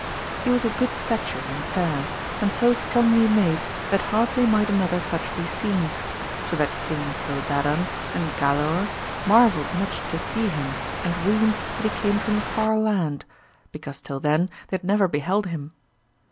He was of good stature and fair, and so strongly made that hardly might another such be seen, so that King CU dadan and Galaor marvelled much to see him and weened that he came from a far land, because till then they had never beheld him.